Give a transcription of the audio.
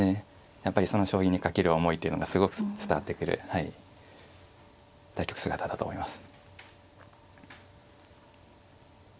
やっぱりその将棋に懸ける思いというのがすごく伝わってくるはい対局姿だと思います。